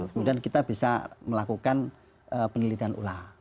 kemudian kita bisa melakukan penelitian ulang